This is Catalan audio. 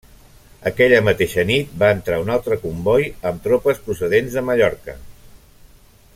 Aquella mateixa nit va entrar un altre comboi amb tropes procedents de Mallorca.